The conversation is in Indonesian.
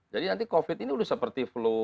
jadi nanti covid ini sudah seperti flu